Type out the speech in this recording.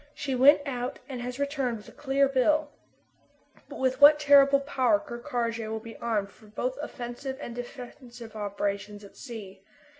She went out and has returned with a clear bill. But with what terrible power Ker Karraje will be armed for both offensive and defensive operations at sea!